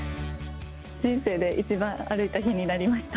人生で一番歩いた日になりました。